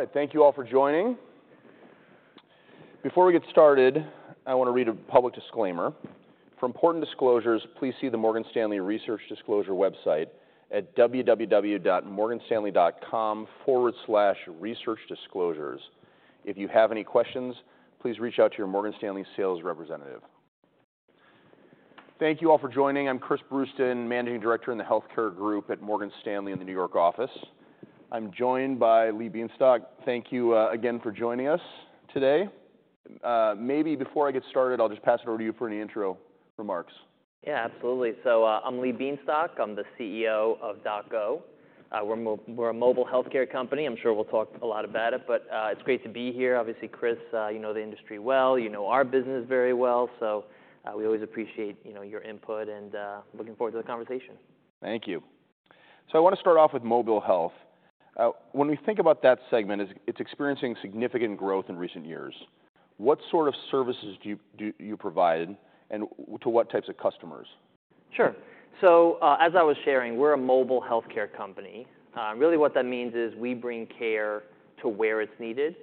All right. Thank you all for joining. Before we get started, I want to read a public disclaimer. For important disclosures, please see the Morgan Stanley Research Disclosure website at www.morganstanley.com/researchdisclosures. If you have any questions, please reach out to your Morgan Stanley sales representative. Thank you all for joining. I'm Chris Brewster, Managing Director in the Healthcare Group at Morgan Stanley in the New York office. I'm joined by Lee Bienstock. Thank you again for joining us today. Maybe before I get started, I'll just pass it over to you for any intro remarks. Yeah, absolutely. So, I'm Lee Bienstock. I'm the CEO of DocGo. We're a mobile healthcare company. I'm sure we'll talk a lot about it, but, it's great to be here. Obviously, Chris, you know the industry well, you know our business very well, so, we always appreciate, you know, your input, and, looking forward to the conversation. Thank you. So I want to start off with mobile health. When we think about that segment, it's experiencing significant growth in recent years. What sort of services do you provide, and to what types of customers? Sure. So, as I was sharing, we're a mobile healthcare company. Really what that means is we bring care to where it's needed,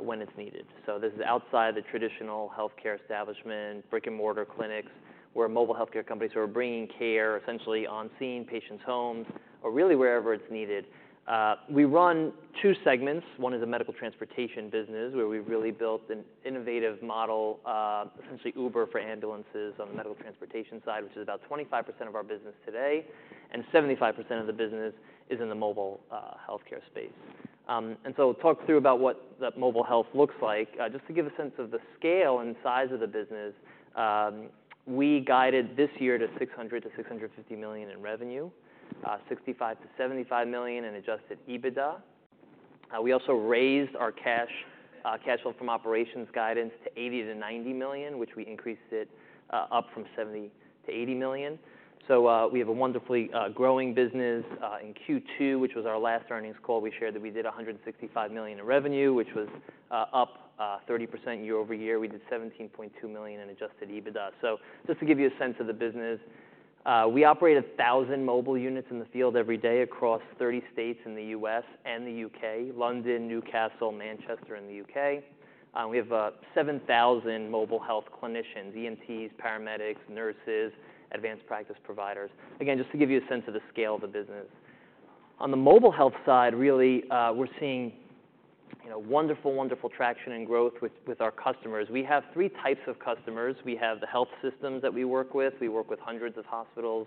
when it's needed. So this is outside the traditional healthcare establishment, brick-and-mortar clinics. We're a mobile healthcare company, so we're bringing care essentially on-scene, patients' homes, or really wherever it's needed. We run two segments. One is a medical transportation business, where we've really built an innovative model, essentially Uber for ambulances on the medical transportation side, which is about 25% of our business today, and 75% of the business is in the mobile, healthcare space. So talk through about what that mobile health looks like. Just to give a sense of the scale and size of the business, we guided this year to $600 million-$650 million in revenue, $65 million-$75 million in Adjusted EBITDA. We also raised our cash, cash flow from operations guidance to $80 million-$90 million, which we increased it, up from $70 million-$80 million, so we have a wonderfully, growing business. In Q2, which was our last earnings call, we shared that we did $165 million in revenue, which was up 30% year over year. We did $17.2 million in Adjusted EBITDA. So just to give you a sense of the business, we operate a thousand mobile units in the field every day across thirty states in the U.S. and the U.K., London, Newcastle, Manchester in the U.K. We have seven thousand mobile health clinicians, EMTs, paramedics, nurses, advanced practice providers. Again, just to give you a sense of the scale of the business. On the mobile health side, really, we're seeing, you know, wonderful, wonderful traction and growth with our customers. We have three types of customers. We have the health systems that we work with. We work with hundreds of hospitals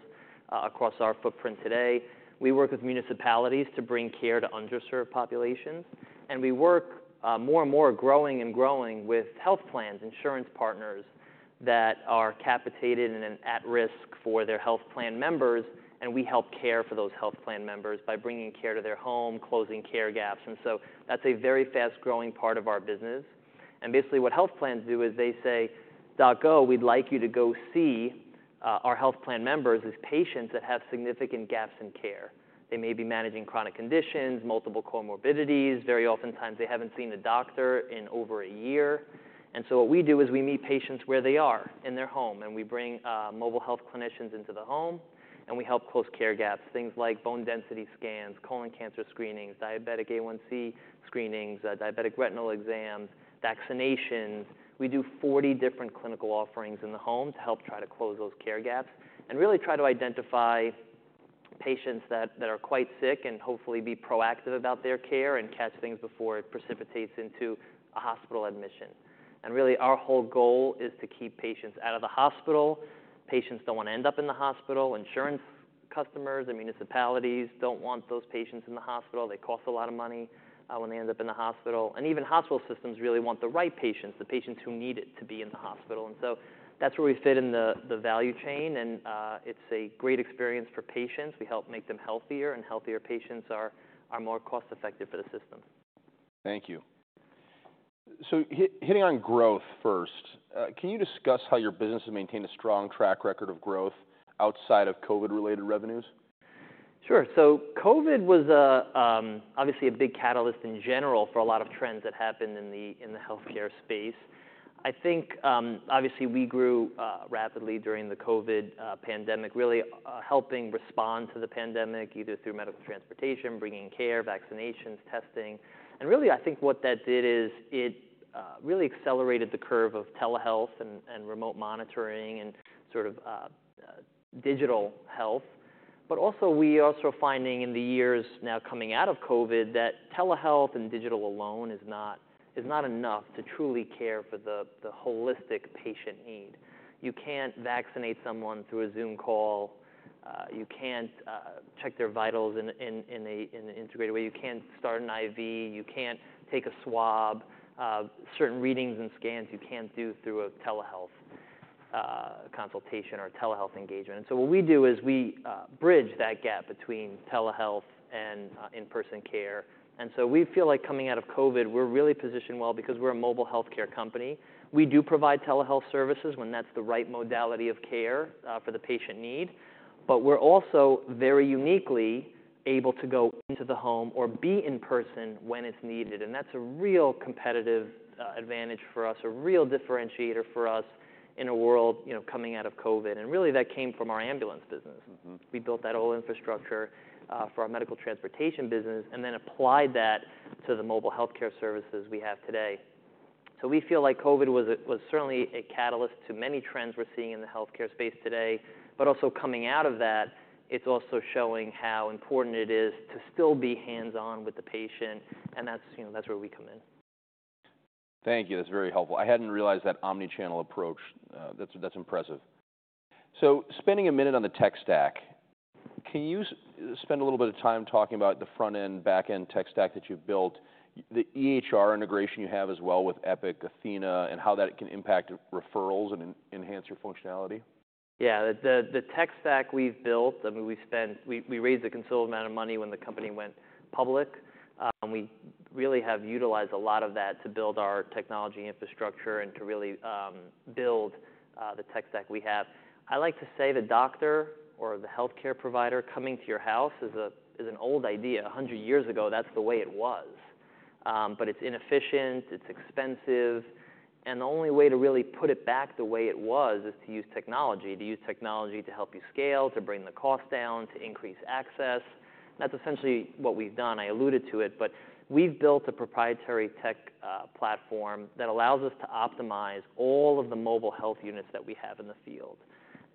across our footprint today. We work with municipalities to bring care to underserved populations, and we work more and more, growing and growing with health plans, insurance partners that are capitated and at risk for their health plan members, and we help care for those health plan members by bringing care to their home, closing care gaps. And so that's a very fast-growing part of our business. And basically, what health plans do is they say, "DocGo, we'd like you to go see our health plan members, these patients that have significant gaps in care." They may be managing chronic conditions, multiple comorbidities. Very oftentimes, they haven't seen a doctor in over a year. And so what we do is we meet patients where they are, in their home, and we bring mobile health clinicians into the home, and we help close care gaps, things like bone density scans, colon cancer screenings, diabetic A1C screenings, diabetic retinal exams, vaccinations. We do forty different clinical offerings in the home to help try to close those care gaps and really try to identify patients that are quite sick and hopefully be proactive about their care and catch things before it precipitates into a hospital admission. And really, our whole goal is to keep patients out of the hospital. Patients don't want to end up in the hospital. Insurance customers and municipalities don't want those patients in the hospital. They cost a lot of money when they end up in the hospital. And even hospital systems really want the right patients, the patients who need it, to be in the hospital. And so that's where we fit in the value chain, and it's a great experience for patients. We help make them healthier, and healthier patients are more cost-effective for the system. Thank you. So hitting on growth first, can you discuss how your business has maintained a strong track record of growth outside of COVID-related revenues? Sure. So COVID was obviously a big catalyst in general for a lot of trends that happened in the healthcare space. I think, obviously we grew rapidly during the COVID pandemic, really helping respond to the pandemic, either through medical transportation, bringing care, vaccinations, testing, and really I think what that did is it really accelerated the curve of telehealth and remote monitoring and sort of digital health, but also we're also finding in the years now coming out of COVID, that telehealth and digital alone is not enough to truly care for the holistic patient need. You can't vaccinate someone through a Zoom call, you can't check their vitals in an integrated way, you can't start an IV, you can't take a swab. Certain readings and scans you can't do through a telehealth consultation or telehealth engagement, and so what we do is we bridge that gap between telehealth and in-person care, and so we feel like coming out of COVID, we're really positioned well because we're a mobile healthcare company. We do provide telehealth services when that's the right modality of care for the patient need, but we're also very uniquely able to go into the home or be in person when it's needed, and that's a real competitive advantage for us, a real differentiator for us in a world, you know, coming out of COVID, and really, that came from our ambulance business. Mm-hmm. We built that whole infrastructure for our medical transportation business and then applied that to the mobile healthcare services we have today. So we feel like COVID was certainly a catalyst to many trends we're seeing in the healthcare space today, but also coming out of that, it's also showing how important it is to still be hands-on with the patient, and that's, you know, that's where we come in. Thank you. That's very helpful. I hadn't realized that omni-channel approach. That's impressive. So spending a minute on the tech stack, can you spend a little bit of time talking about the front-end, back-end tech stack that you've built, the EHR integration you have as well with Epic, athenahealth, and how that can impact referrals and enhance your functionality? Yeah. The tech stack we've built, I mean, we raised a considerable amount of money when the company went public, and we really have utilized a lot of that to build our technology infrastructure and to really build the tech stack we have. I like to say the doctor or the healthcare provider coming to your house is an old idea. A hundred years ago, that's the way it was. But it's inefficient, it's expensive, and the only way to really put it back the way it was is to use technology, to use technology to help you scale, to bring the cost down, to increase access. That's essentially what we've done. I alluded to it, but we've built a proprietary tech platform that allows us to optimize all of the mobile health units that we have in the field,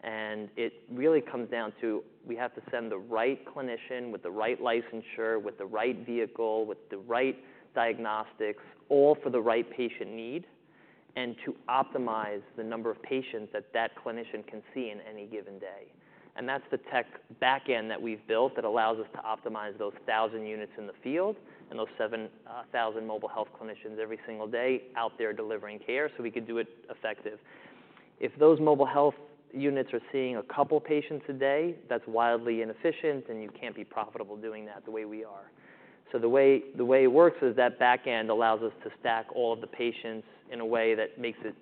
and it really comes down to we have to send the right clinician with the right licensure, with the right vehicle, with the right diagnostics, all for the right patient need, and to optimize the number of patients that that clinician can see in any given day, and that's the tech back-end that we've built that allows us to optimize those thousand units in the field and those seven thousand mobile health clinicians every single day out there delivering care, so we could do it effective. If those mobile health units are seeing a couple patients a day, that's wildly inefficient, and you can't be profitable doing that the way we are. The way it works is that back-end allows us to stack all of the patients in a way that makes it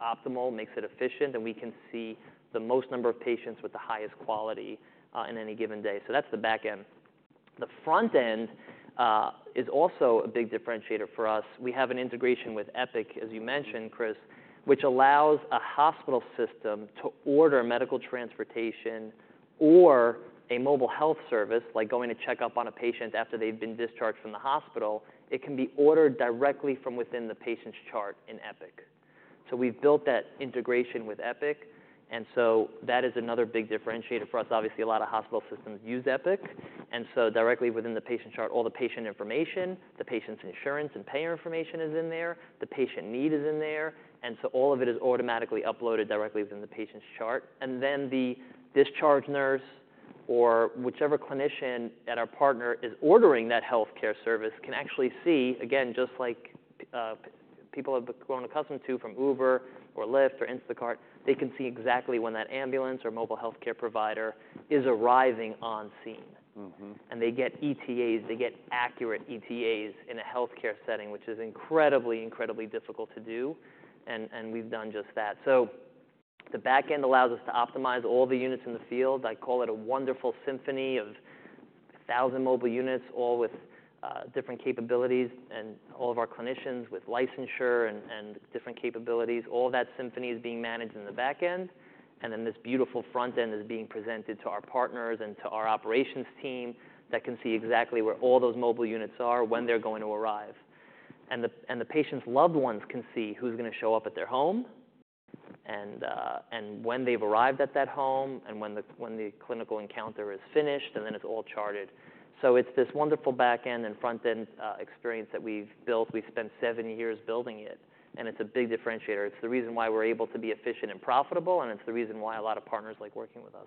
optimal, makes it efficient, and we can see the most number of patients with the highest quality in any given day. That's the back-end. The front-end is also a big differentiator for us. We have an integration with Epic, as you mentioned, Chris, which allows a hospital system to order medical transportation or a mobile health service, like going to check up on a patient after they've been discharged from the hospital. It can be ordered directly from within the patient's chart in Epic. We've built that integration with Epic, and so that is another big differentiator for us. Obviously, a lot of hospital systems use Epic, and so directly within the patient chart, all the patient information, the patient's insurance and payer information is in there, the patient need is in there, and so all of it is automatically uploaded directly within the patient's chart, and then the discharge nurse or whichever clinician at our partner is ordering that healthcare service can actually see, again, just like, people have grown accustomed to from Uber or Lyft or Instacart, they can see exactly when that ambulance or mobile healthcare provider is arriving on scene. Mm-hmm. And they get ETAs, they get accurate ETAs in a healthcare setting, which is incredibly, incredibly difficult to do, and we've done just that. So the back-end allows us to optimize all the units in the field. I call it a wonderful symphony of a thousand mobile units, all with different capabilities, and all of our clinicians with licensure and different capabilities. All that symphony is being managed in the back-end, and then this beautiful front-end is being presented to our partners and to our operations team that can see exactly where all those mobile units are, when they're going to arrive. And the patient's loved ones can see who's gonna show up at their home, and when they've arrived at that home, and when the clinical encounter is finished, and then it's all charted. So it's this wonderful back-end and front-end experience that we've built. We spent seven years building it, and it's a big differentiator. It's the reason why we're able to be efficient and profitable, and it's the reason why a lot of partners like working with us.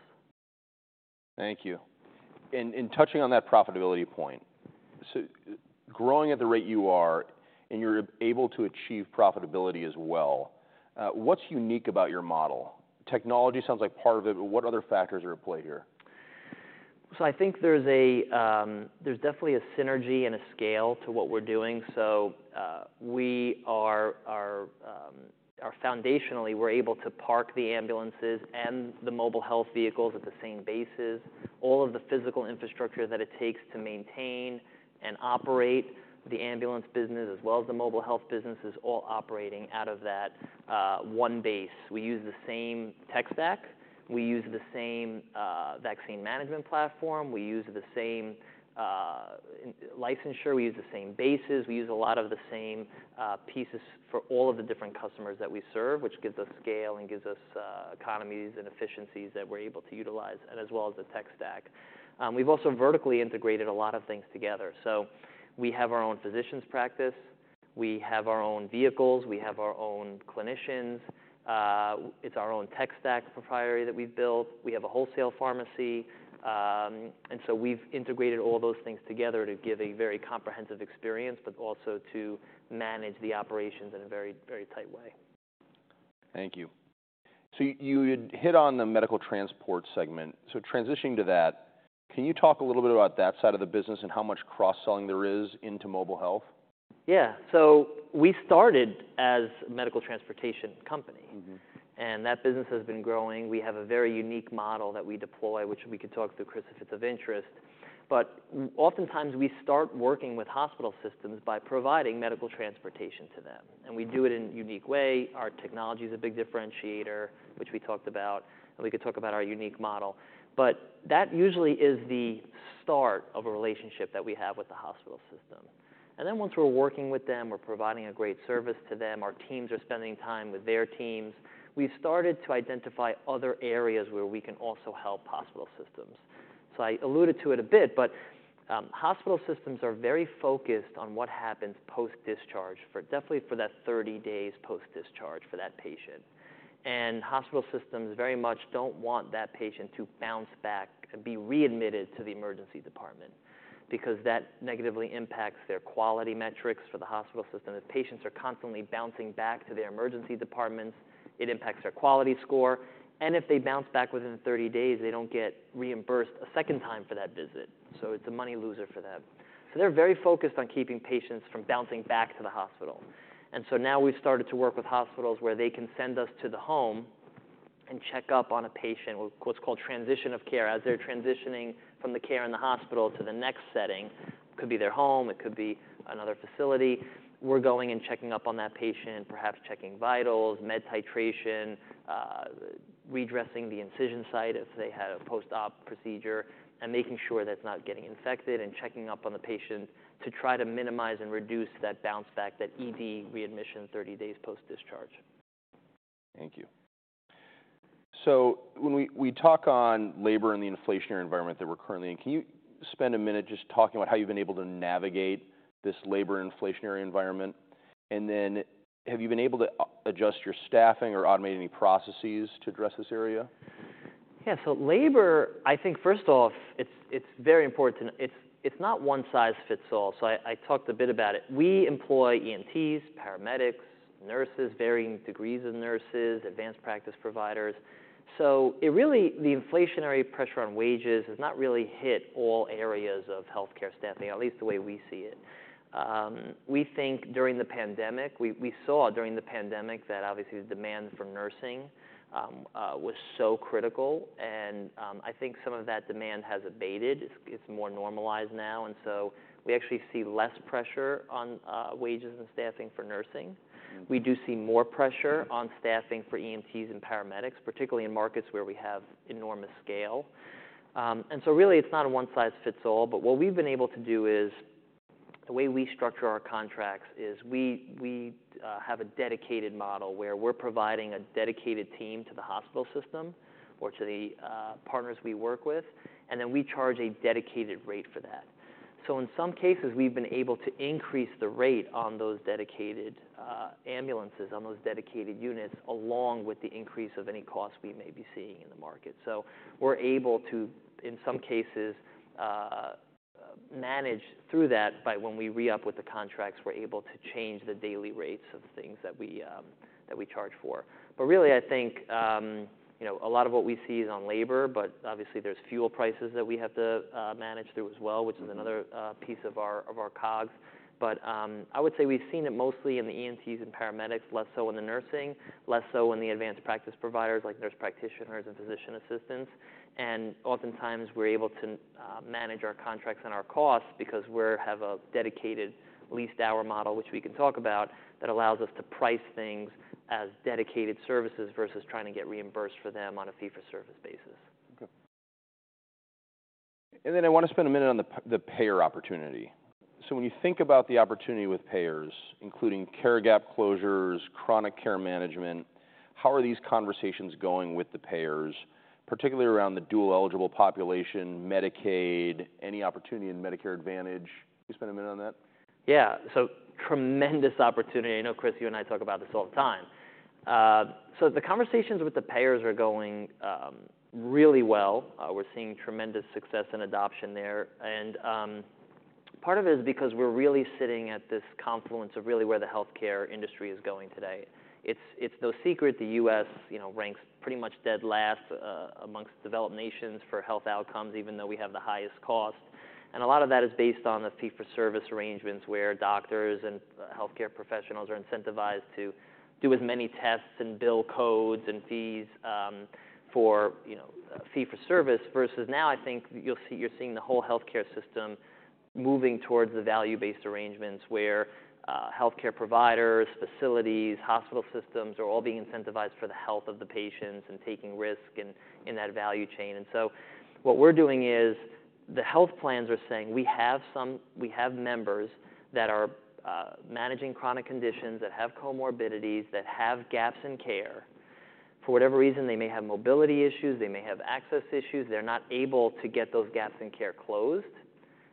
Thank you. And touching on that profitability point, so growing at the rate you are, and you're able to achieve profitability as well, what's unique about your model? Technology sounds like part of it, but what other factors are at play here? So I think there's a, there's definitely a synergy and a scale to what we're doing. So, we are... Our foundationally, we're able to park the ambulances and the mobile health vehicles at the same bases. All of the physical infrastructure that it takes to maintain and operate the ambulance business, as well as the mobile health business, is all operating out of that, one base. We use the same tech stack, we use the same, vaccine management platform, we use the same, licensure, we use the same bases, we use a lot of the same, pieces for all of the different customers that we serve, which gives us scale and gives us, economies and efficiencies that we're able to utilize, and as well as the tech stack. We've also vertically integrated a lot of things together. We have our own physicians practice, we have our own vehicles, we have our own clinicians. It's our own tech stack, proprietary, that we've built. We have a wholesale pharmacy, and so we've integrated all those things together to give a very comprehensive experience, but also to manage the operations in a very, very tight way. Thank you. So you hit on the medical transport segment. So transitioning to that, can you talk a little bit about that side of the business and how much cross-selling there is into mobile health? Yeah, so we started as a medical transportation company- Mm-hmm. And that business has been growing. We have a very unique model that we deploy, which we can talk through, Chris, if it's of interest, but oftentimes, we start working with hospital systems by providing medical transportation to them, and we do it in a unique way. Our technology is a big differentiator, which we talked about, and we could talk about our unique model, but that usually is the start of a relationship that we have with the hospital system, and then once we're working with them, we're providing a great service to them, our teams are spending time with their teams, we've started to identify other areas where we can also help hospital systems, so I alluded to it a bit, but hospital systems are very focused on what happens post-discharge for definitely for that 30 days post-discharge for that patient. Hospital systems very much don't want that patient to bounce back and be readmitted to the emergency department, because that negatively impacts their quality metrics for the hospital system. If patients are constantly bouncing back to their emergency departments, it impacts their quality score, and if they bounce back within thirty days, they don't get reimbursed a second time for that visit, so it's a money loser for them. They're very focused on keeping patients from bouncing back to the hospital. Now we've started to work with hospitals where they can send us to the home and check up on a patient, with what's called transition of care. As they're transitioning from the care in the hospital to the next setting, could be their home, it could be another facility, we're going and checking up on that patient, perhaps checking vitals, med titration, redressing the incision site if they had a post-op procedure, and making sure that's not getting infected, and checking up on the patient to try to minimize and reduce that bounce back, that ED readmission, 30 days post-discharge. Thank you. So when we talk on labor and the inflationary environment that we're currently in, can you spend a minute just talking about how you've been able to navigate this labor inflationary environment? And then, have you been able to adjust your staffing or automate any processes to address this area? Yeah. So labor, I think, first off, it's very important to, it's not one size fits all. So I talked a bit about it. We employ EMTs, paramedics, nurses, varying degrees of nurses, advanced practice providers. So it really, the inflationary pressure on wages has not really hit all areas of healthcare staffing, at least the way we see it. We think during the pandemic we saw that obviously the demand for nursing was so critical, and I think some of that demand has abated. It's more normalized now, and so we actually see less pressure on wages and staffing for nursing. Mm-hmm. We do see more pressure on staffing for EMTs and paramedics, particularly in markets where we have enormous scale. And so really, it's not a one size fits all, but what we've been able to do is, the way we structure our contracts is we have a dedicated model where we're providing a dedicated team to the hospital system or to the partners we work with, and then we charge a dedicated rate for that. So in some cases, we've been able to increase the rate on those dedicated ambulances, on those dedicated units, along with the increase of any cost we may be seeing in the market. So we're able to, in some cases, manage through that, but when we re-up with the contracts, we're able to change the daily rates of the things that we charge for. But really, I think, you know, a lot of what we see is on labor, but obviously, there's fuel prices that we have to manage through as well. Mm-hmm .which is another piece of our COGS. But I would say we've seen it mostly in the EMTs and paramedics, less so in the nursing, less so in the advanced practice providers, like nurse practitioners and physician assistants. And oftentimes, we're able to manage our contracts and our costs because we have a dedicated leased hour model, which we can talk about, that allows us to price things as dedicated services versus trying to get reimbursed for them on a fee-for-service basis. Okay. And then, I wanna spend a minute on the payer opportunity. So when you think about the opportunity with payers, including care gap closures, chronic care management, how are these conversations going with the payers, particularly around the dual-eligible population, Medicaid, any opportunity in Medicare Advantage? Can you spend a minute on that? Yeah. So tremendous opportunity. I know, Chris, you and I talk about this all the time. So the conversations with the payers are going really well. We're seeing tremendous success and adoption there, and part of it is because we're really sitting at this confluence of really where the healthcare industry is going today. It's no secret the U.S., you know, ranks pretty much dead last amongst developed nations for health outcomes, even though we have the highest cost, and a lot of that is based on the fee-for-service arrangements, where doctors and healthcare professionals are incentivized to do as many tests and bill codes and fees for, you know, a fee for service. Versus now, I think you'll see you're seeing the whole healthcare system moving towards the value-based arrangements, where healthcare providers, facilities, hospital systems are all being incentivized for the health of the patients and taking risk in that value chain. And so what we're doing is, the health plans are saying, "We have some we have members that are managing chronic conditions, that have comorbidities, that have gaps in care. For whatever reason, they may have mobility issues, they may have access issues, they're not able to get those gaps in care closed,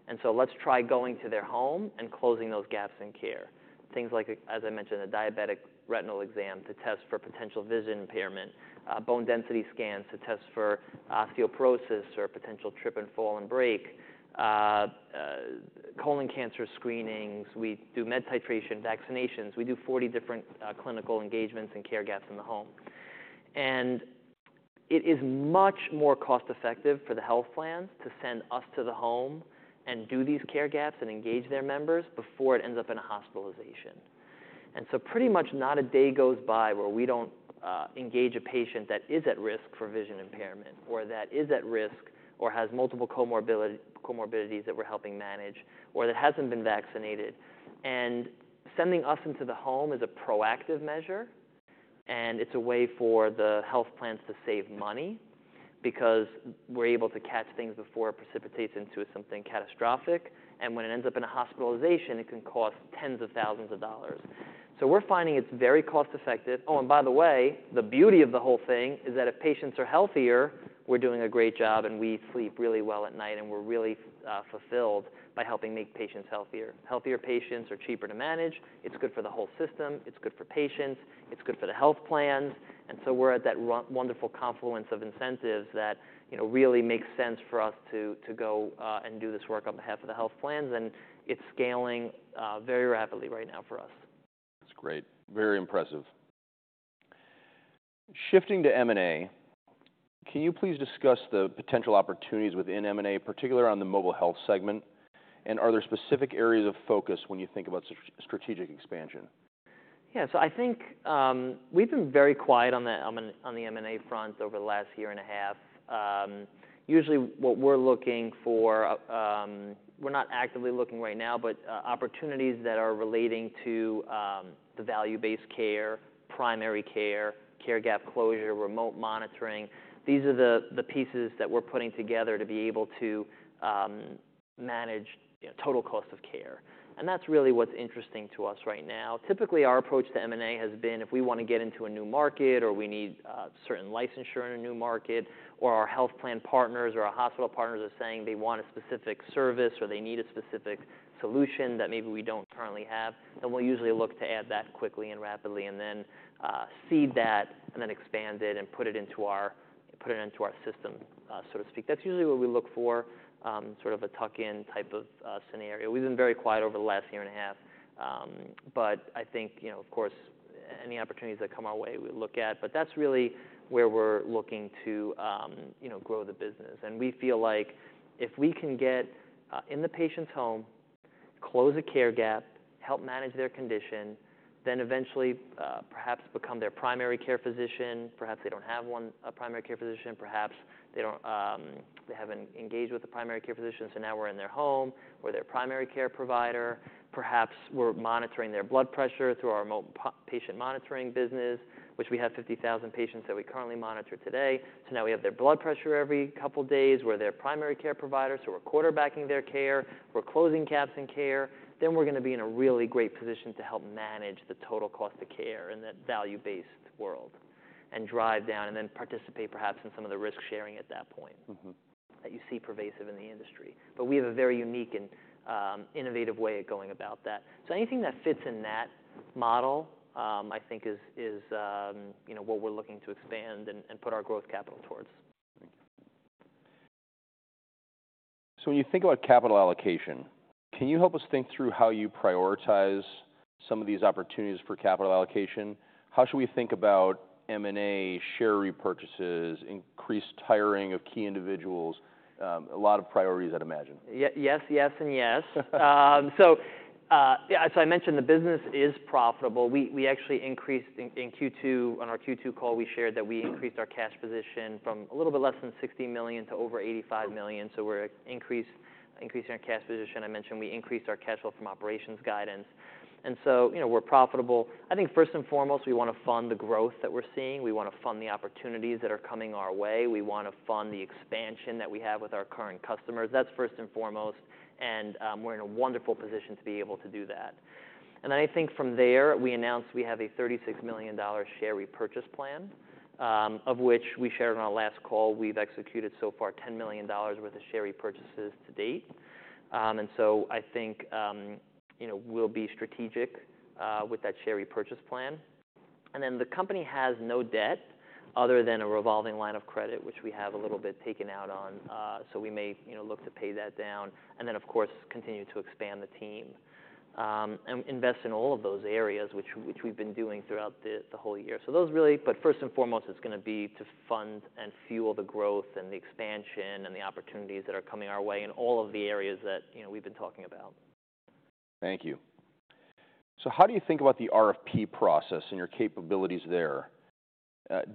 and so let's try going to their home and closing those gaps in care." Things like, as I mentioned, a diabetic retinal exam to test for potential vision impairment, bone density scans to test for osteoporosis or potential trip and fall and break, colon cancer screenings. We do med titration, vaccinations. We do forty different clinical engagements and care gaps in the home, and it is much more cost-effective for the health plan to send us to the home and do these care gaps and engage their members before it ends up in a hospitalization, so pretty much not a day goes by where we don't engage a patient that is at risk for vision impairment, or that is at risk, or has multiple comorbidities that we're helping manage, or that hasn't been vaccinated, and sending us into the home is a proactive measure and it's a way for the health plans to save money, because we're able to catch things before it precipitates into something catastrophic. When it ends up in a hospitalization, it can cost tens of thousands of dollars, so we're finding it's very cost-effective. Oh, and by the way, the beauty of the whole thing is that if patients are healthier, we're doing a great job, and we sleep really well at night, and we're really fulfilled by helping make patients healthier. Healthier patients are cheaper to manage. It's good for the whole system, it's good for patients, it's good for the health plans. And so we're at that wonderful confluence of incentives that, you know, really makes sense for us to go and do this work on behalf of the health plans, and it's scaling very rapidly right now for us. That's great. Very impressive. Shifting to M&A, can you please discuss the potential opportunities within M&A, particularly on the mobile health segment? And are there specific areas of focus when you think about strategic expansion? Yeah, so I think we've been very quiet on the M&A front over the last year and a half. Usually what we're looking for... We're not actively looking right now, but opportunities that are relating to the value-based care, primary care, care gap closure, remote monitoring. These are the pieces that we're putting together to be able to manage, yeah, total cost of care, and that's really what's interesting to us right now. Typically, our approach to M&A has been, if we want to get into a new market, or we need certain licensure in a new market, or our health plan partners or our hospital partners are saying they want a specific service or they need a specific solution that maybe we don't currently have, then we'll usually look to add that quickly and rapidly, and then seed that, and then expand it, and put it into our, put it into our system, so to speak. That's usually what we look for, sort of a tuck-in type of scenario. We've been very quiet over the last year and a half. But I think, you know, of course, any opportunities that come our way, we look at. But that's really where we're looking to, you know, grow the business. And we feel like if we can get in the patient's home, close a care gap, help manage their condition, then eventually, perhaps become their primary care physician. Perhaps they don't have one, a primary care physician, perhaps they don't, they haven't engaged with a primary care physician, so now we're in their home. We're their primary care provider. Perhaps we're monitoring their blood pressure through our remote patient monitoring business, which we have 50,000 patients that we currently monitor today. So now, we have their blood pressure every couple days. We're their primary care provider, so we're quarterbacking their care. We're closing gaps in care. Then we're gonna be in a really great position to help manage the total cost of care in that value-based world, and drive down, and then participate, perhaps, in some of the risk-sharing at that point. Mm-hmm... that you see pervasive in the industry. But we have a very unique and, innovative way of going about that. So anything that fits in that model, I think is, you know, what we're looking to expand and, put our growth capital towards. Thank you. So when you think about capital allocation, can you help us think through how you prioritize some of these opportunities for capital allocation? How should we think about M&A, share repurchases, increased hiring of key individuals? A lot of priorities, I'd imagine. Yes, yes, and yes. So, I mentioned the business is profitable. We actually increased in Q2. On our Q2 call, we shared that we increased our cash position from a little bit less than $60 million to over $85 million, so we're increasing our cash position. I mentioned we increased our cash flow from operations guidance, and so, you know, we're profitable. I think first and foremost, we want to fund the growth that we're seeing. We want to fund the opportunities that are coming our way. We want to fund the expansion that we have with our current customers. That's first and foremost, and we're in a wonderful position to be able to do that. I think from there, we announced we have a $36 million share repurchase plan, of which we shared on our last call, we've executed so far $10 million worth of share repurchases to date. And so I think, you know, we'll be strategic with that share repurchase plan. And then, the company has no debt other than a revolving line of credit, which we have a little bit taken out on. So we may, you know, look to pay that down and then, of course, continue to expand the team and invest in all of those areas, which we've been doing throughout the whole year. So those really, but first and foremost, it's gonna be to fund and fuel the growth and the expansion and the opportunities that are coming our way in all of the areas that, you know, we've been talking about. Thank you. So how do you think about the RFP process and your capabilities there?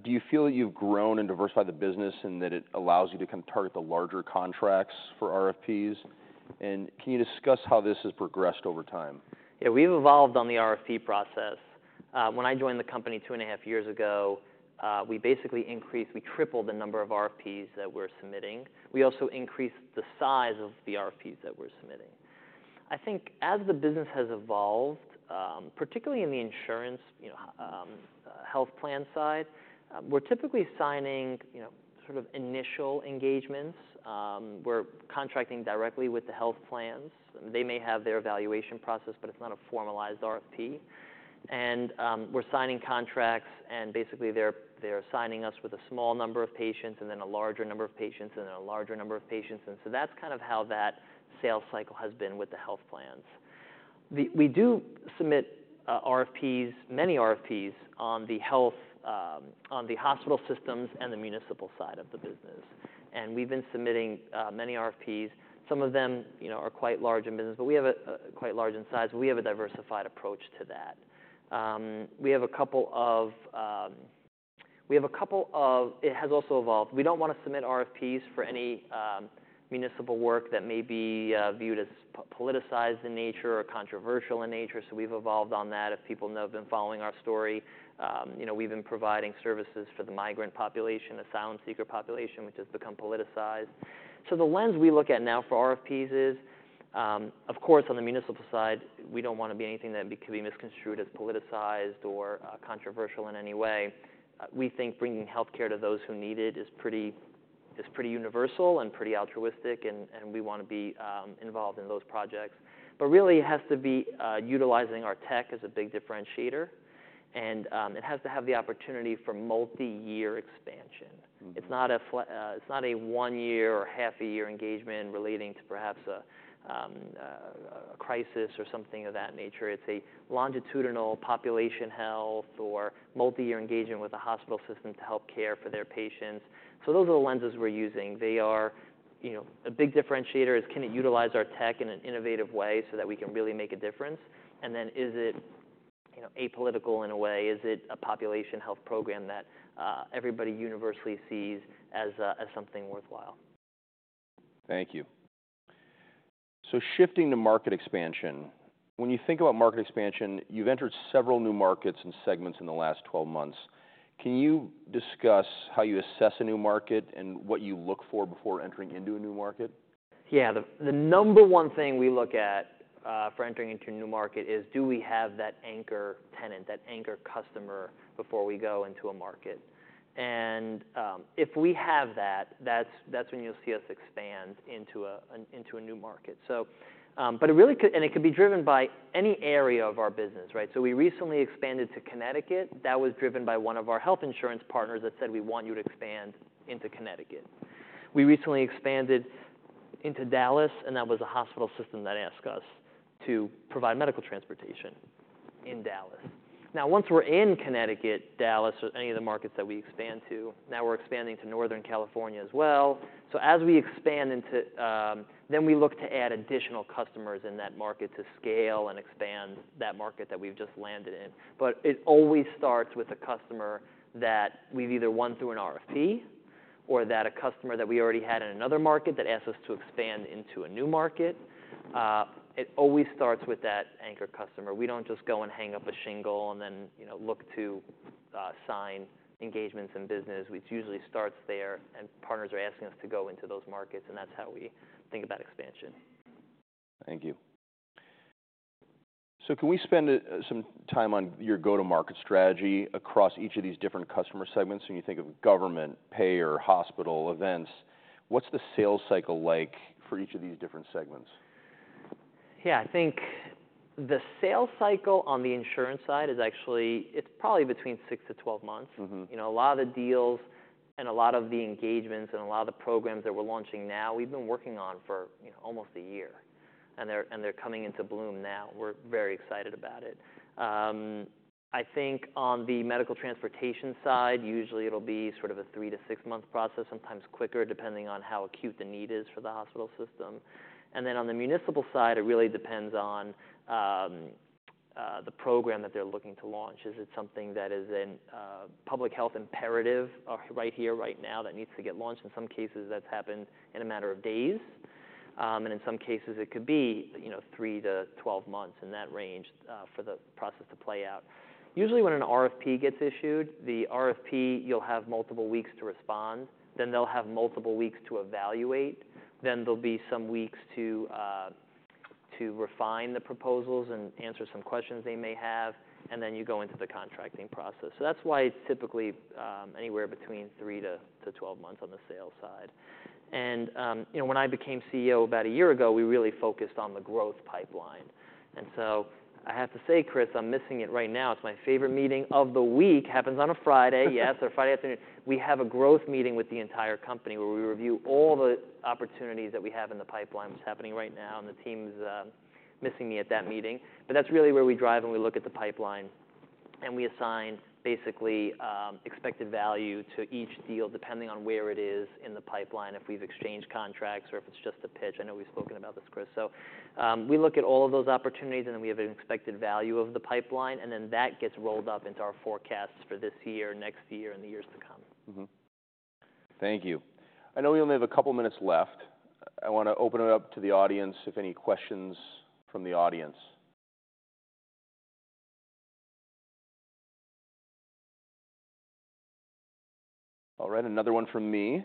Do you feel that you've grown and diversified the business, and that it allows you to kind of target the larger contracts for RFPs? And can you discuss how this has progressed over time? Yeah, we've evolved on the RFP process. When I joined the company two and a half years ago, we basically we tripled the number of RFPs that we're submitting. We also increased the size of the RFPs that we're submitting. I think as the business has evolved, particularly in the insurance, you know, health plan side, we're typically signing, you know, sort of initial engagements. We're contracting directly with the health plans. They may have their evaluation process, but it's not a formalized RFP, and we're signing contracts, and basically, they're signing us with a small number of patients, and then a larger number of patients, and then a larger number of patients, and so that's kind of how that sales cycle has been with the health plans. We do submit RFPs, many RFPs on the health, on the hospital systems and the municipal side of the business, and we've been submitting many RFPs. Some of them, you know, are quite large in business quite large in size, but we have a diversified approach to that. It has also evolved. We don't wanna submit RFPs for any municipal work that may be viewed as politicized in nature or controversial in nature, so we've evolved on that. If people know, have been following our story, you know, we've been providing services for the migrant population, asylum seeker population, which has become politicized. So the lens we look at now for RFPs is, of course, on the municipal side, we don't wanna be anything that could be misconstrued as politicized or controversial in any way. We think bringing healthcare to those who need it is pretty universal and pretty altruistic, and we wanna be involved in those projects. But really, it has to be utilizing our tech as a big differentiator, and it has to have the opportunity for multi-year expansion. Mm-hmm. It's not a one-year or half-a-year engagement relating to perhaps a crisis or something of that nature. It's a longitudinal population health or multi-year engagement with a hospital system to help care for their patients. So those are the lenses we're using. They are, you know, a big differentiator is, can it utilize our tech in an innovative way so that we can really make a difference? And then, is it, you know, apolitical in a way? Is it a population health program that everybody universally sees as something worthwhile? Thank you. So shifting to market expansion, when you think about market expansion, you've entered several new markets and segments in the last twelve months. Can you discuss how you assess a new market and what you look for before entering into a new market? Yeah. The number one thing we look at for entering into a new market is, do we have that anchor tenant, that anchor customer, before we go into a market? And if we have that, that's when you'll see us expand into a new market. And it could be driven by any area of our business, right? So we recently expanded to Connecticut. That was driven by one of our health insurance partners that said, "We want you to expand into Connecticut." We recently expanded into Dallas, and that was a hospital system that asked us to provide medical transportation in Dallas. Now, once we're in Connecticut, Dallas, or any of the markets that we expand to, now we're expanding to Northern California as well. So as we expand into... Then we look to add additional customers in that market to scale and expand that market that we've just landed in. But it always starts with a customer that we've either won through an RFP or that a customer that we already had in another market that asks us to expand into a new market. It always starts with that anchor customer. We don't just go and hang up a shingle and then, you know, look to sign engagements and business. It usually starts there, and partners are asking us to go into those markets, and that's how we think about expansion. Thank you. So can we spend some time on your go-to-market strategy across each of these different customer segments? When you think of government, payer, hospital, events, what's the sales cycle like for each of these different segments? Yeah. I think the sales cycle on the insurance side is actually, it's probably between six to 12 months. Mm-hmm. You know, a lot of the deals and a lot of the engagements and a lot of the programs that we're launching now, we've been working on for, you know, almost a year, and they're coming into bloom now. We're very excited about it. I think on the medical transportation side, usually it'll be sort of a three- to six-month process, sometimes quicker, depending on how acute the need is for the hospital system. And then on the municipal side, it really depends on the program that they're looking to launch. Is it something that is in public health imperative, right here, right now, that needs to get launched? In some cases, that's happened in a matter of days, and in some cases, it could be, you know, three- to twelve months, in that range, for the process to play out. Usually, when an RFP gets issued, the RFP, you'll have multiple weeks to respond, then they'll have multiple weeks to evaluate, then there'll be some weeks to refine the proposals and answer some questions they may have, and then you go into the contracting process. So that's why it's typically anywhere between three to 12 months on the sales side, and you know, when I became CEO about a year ago, we really focused on the growth pipeline, and so I have to say, Chris, I'm missing it right now. It's my favorite meeting of the week, happens on a Friday... yes, a Friday afternoon. We have a growth meeting with the entire company, where we review all the opportunities that we have in the pipeline. It's happening right now, and the team's missing me at that meeting. But that's really where we drive, and we look at the pipeline, and we assign basically, expected value to each deal, depending on where it is in the pipeline, if we've exchanged contracts or if it's just a pitch. I know we've spoken about this, Chris. So, we look at all of those opportunities, and then we have an expected value of the pipeline, and then that gets rolled up into our forecasts for this year, next year, and the years to come. Mm-hmm. Thank you. I know we only have a couple minutes left. I want to open it up to the audience, if any questions from the audience. All right, another one from me.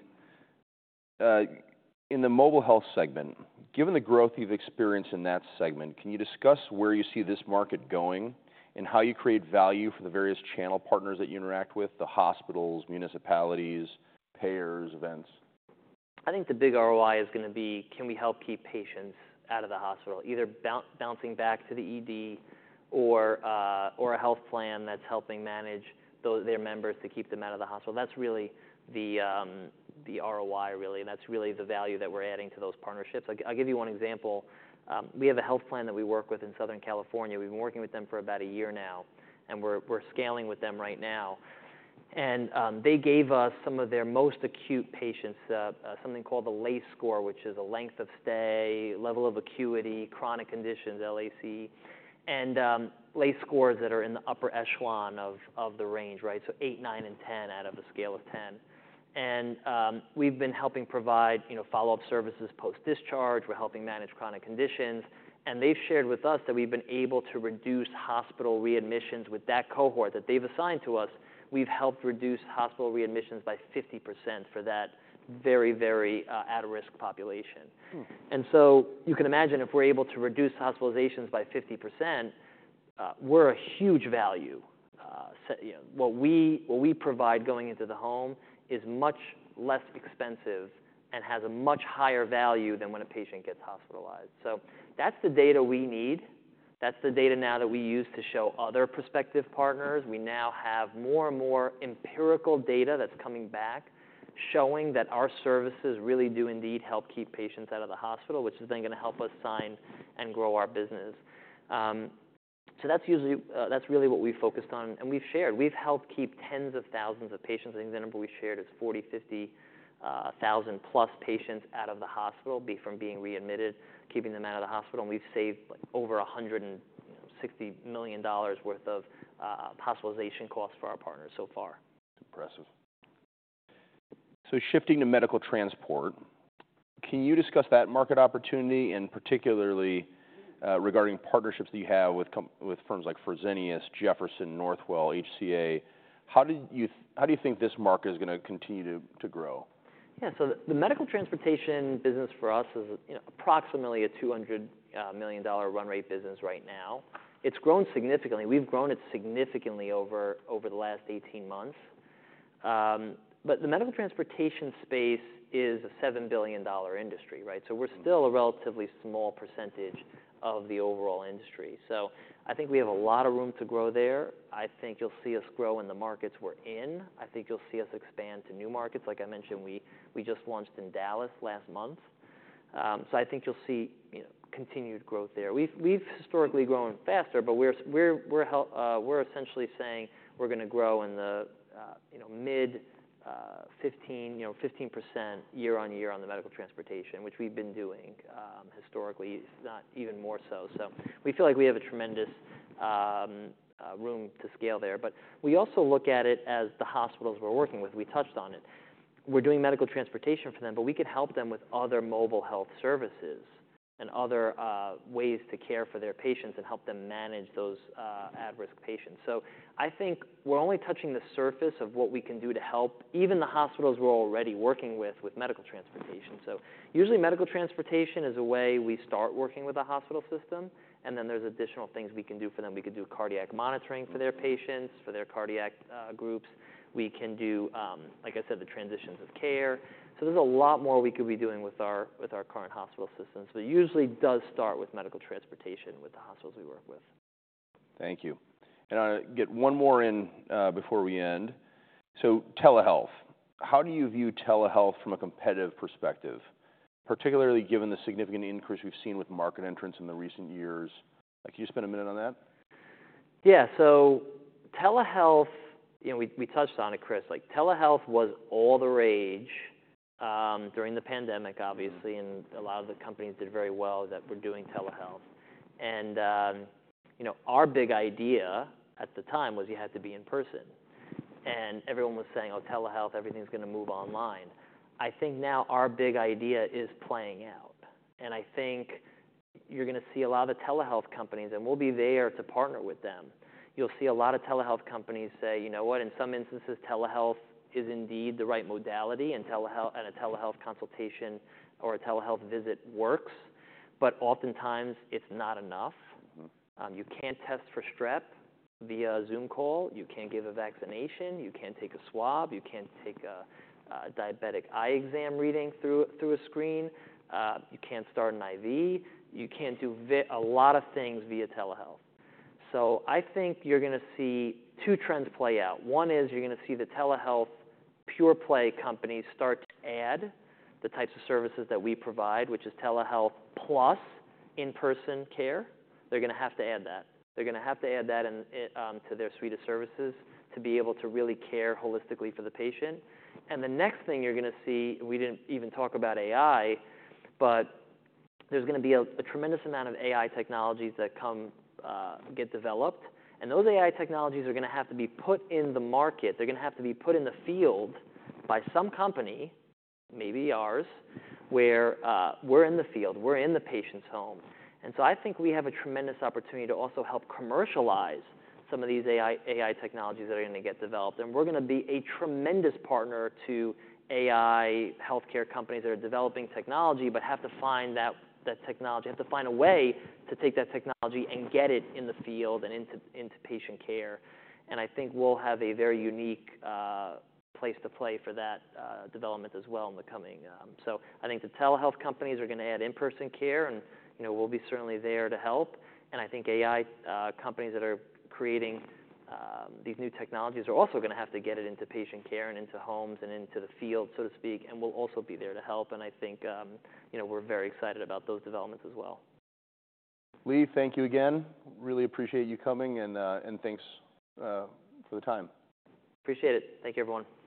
In the mobile health segment, given the growth you've experienced in that segment, can you discuss where you see this market going and how you create value for the various channel partners that you interact with, the hospitals, municipalities, payers, events? I think the big ROI is gonna be, can we help keep patients out of the hospital? Either bouncing back to the ED or a health plan that's helping manage their members to keep them out of the hospital. That's really the ROI, really, and that's really the value that we're adding to those partnerships. I'll give you one example. We have a health plan that we work with in Southern California. We've been working with them for about a year now, and we're scaling with them right now. They gave us some of their most acute patients, something called the LACE score, which is a length of stay, level of acuity, chronic conditions, LAC, and LAC scores that are in the upper echelon of the range, right? Eight, nine, and ten out of a scale of ten. We've been helping provide, you know, follow-up services post-discharge. We're helping manage chronic conditions, and they've shared with us that we've been able to reduce hospital readmissions with that cohort that they've assigned to us. We've helped reduce hospital readmissions by 50% for that very, very at-risk population. Hmm. You can imagine if we're able to reduce hospitalizations by 50%, we're a huge value. So, you know, what we provide going into the home is much less expensive and has a much higher value than when a patient gets hospitalized. So that's the data we need, that's the data now that we use to show other prospective partners. We now have more and more empirical data that's coming back, showing that our services really do indeed help keep patients out of the hospital, which is then gonna help us sign and grow our business. So that's usually, that's really what we focused on. We've helped keep tens of thousands of patients. I think the number we shared is forty, fifty thousand-plus patients out of the hospital, from being readmitted, keeping them out of the hospital, and we've saved, like, over $160 million worth of hospitalization costs for our partners so far. Impressive. So shifting to medical transport, can you discuss that market opportunity, and particularly, regarding partnerships that you have with firms like Fresenius, Jefferson, Northwell, HCA, how do you think this market is gonna continue to grow? Yeah, so the medical transportation business for us is, you know, approximately a $200 million run rate business right now. It's grown significantly. We've grown it significantly over the last 18 months, but the medical transportation space is a $7 billion industry, right? Mm-hmm. So we're still a relatively small percentage of the overall industry. So I think we have a lot of room to grow there. I think you'll see us grow in the markets we're in. I think you'll see us expand to new markets. Like I mentioned, we just launched in Dallas last month. So I think you'll see, you know, continued growth there. We've historically grown faster, but we're essentially saying we're gonna grow in the, you know, mid fifteen, you know, 15% year on year on the medical transportation, which we've been doing historically, if not even more so. So we feel like we have a tremendous room to scale there. But we also look at it as the hospitals we're working with. We touched on it. We're doing medical transportation for them, but we could help them with other mobile health services and other ways to care for their patients and help them manage those at-risk patients. So I think we're only touching the surface of what we can do to help even the hospitals we're already working with, with medical transportation. So usually, medical transportation is a way we start working with a hospital system, and then there's additional things we can do for them. We could do cardiac monitoring- Mm-hmm... for their patients, for their cardiac groups. We can do, like I said, the transitions of care. So there's a lot more we could be doing with our, with our current hospital systems, but it usually does start with medical transportation, with the hospitals we work with. Thank you. And I'll get one more in, before we end. So telehealth, how do you view telehealth from a competitive perspective, particularly given the significant increase we've seen with market entrants in the recent years? Can you spend a minute on that? Yeah, so telehealth, you know, we touched on it, Chris. Like, telehealth was all the rage during the pandemic, obviously. Mm... and a lot of the companies did very well that were doing telehealth. And, you know, our big idea at the time was: you had to be in person. And everyone was saying, "Oh, telehealth, everything's gonna move online." I think now our big idea is playing out, and I think you're gonna see a lot of the telehealth companies, and we'll be there to partner with them. You'll see a lot of telehealth companies say, "You know what? In some instances, telehealth is indeed the right modality, and a telehealth consultation or a telehealth visit works, but oftentimes it's not enough. Mm-hmm. You can't test for strep via a Zoom call, you can't give a vaccination, you can't take a swab, you can't take a diabetic eye exam reading through a screen, you can't start an IV, you can't do a lot of things via telehealth. So I think you're gonna see two trends play out. One is you're gonna see the telehealth pure-play companies start to add the types of services that we provide, which is telehealth plus in-person care. They're gonna have to add that. They're gonna have to add that in, it, to their suite of services to be able to really care holistically for the patient. And the next thing you're gonna see, we didn't even talk about AI, but there's gonna be a tremendous amount of AI technologies that come get developed, and those AI technologies are gonna have to be put in the market. They're gonna have to be put in the field by some company, maybe ours, where we're in the field, we're in the patient's home. And so I think we have a tremendous opportunity to also help commercialize some of these AI technologies that are gonna get developed, and we're gonna be a tremendous partner to AI healthcare companies that are developing technology, but have to find a way to take that technology and get it in the field and into patient care. I think we'll have a very unique place to play for that development as well in the coming. So I think the telehealth companies are gonna add in-person care, and, you know, we'll be certainly there to help, and I think AI companies that are creating these new technologies are also gonna have to get it into patient care, and into homes, and into the field, so to speak, and we'll also be there to help, and I think, you know, we're very excited about those developments as well. Lee, thank you again. Really appreciate you coming, and thanks for the time. Appreciate it. Thank you, everyone.